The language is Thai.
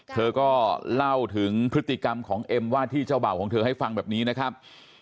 เธอก็เล่าถึงพฤติกรรมของเอ็มว่าที่เจ้าบ่าวของเธอให้ฟังแบบนี้นะครับ